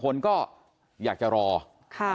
ก็คือเป็นการสร้างภูมิต้านทานหมู่ทั่วโลกด้วยค่ะ